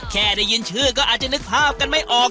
แค่ได้ยินชื่อก็อาจจะนึกภาพกันไม่ออก